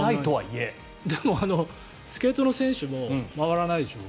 でもスケートの選手も回らないでしょ。